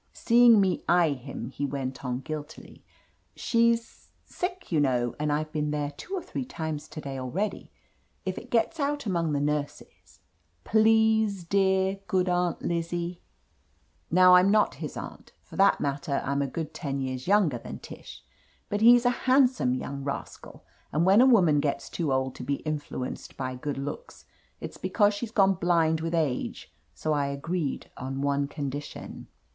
Seeing me eye him, he went on guiltily: "She's — sick, you know, and I've been there two or three times to day already. If it gets out among the nurses — please, dear, good Aunt Lizzie !" Now, I'm not his aunt. For that matter, I'm a good ten years younger than Tish, but he's a handsome young rascal, and when a woman gets too old to be influenced by good looks, it's because she's gone blind with age, so I agreed on one condition.